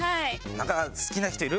なんか好きな人いる？